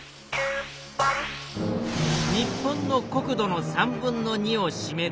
日本の国土の３分の２をしめる森林。